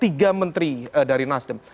tiga menteri dari nasdem